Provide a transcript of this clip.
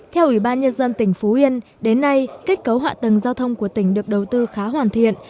theo ủy ban nhân dân tỉnh phú yên đến nay kết cấu hạ tầng giao thông của tỉnh được đầu tư khá hoàn thiện